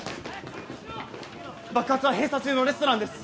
爆発は閉鎖中のレストランです。